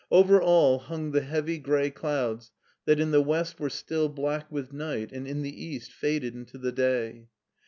Over all hung the heavy gray clouds that in the west were still black with night and in the east faded into the day.